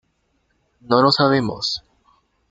No lo sabemos.